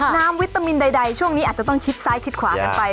วิตามินใดช่วงนี้อาจจะต้องชิดซ้ายชิดขวากันไป